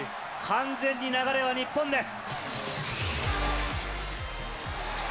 完全に流れは日本です。